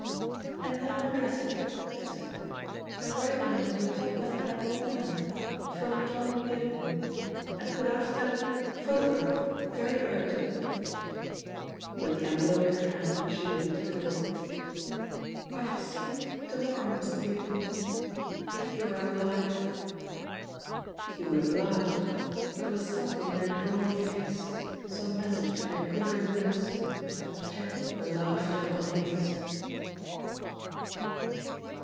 "And now address it," she said. "And write on it on the top left hand corner, 'From John Beardmore,' and put after that 'Photograph, very urgent.'" With the envelope in her hand she walked to the door. "I shall see you to morrow, Mr. Beardmore, if you are alive." He would have laughed, but there was something in her drawn face, some message in her quivering lips, that checked the laughter on his.